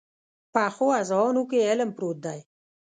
پخو اذهانو کې علم پروت وي